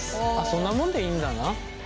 そんなもんでいいんだな。